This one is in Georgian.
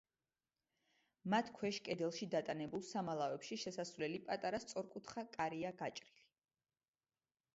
მათ ქვეშ კედელში დატანებულ სამალავებში შესასვლელი პატარა სწორკუთხა კარია გაჭრილი.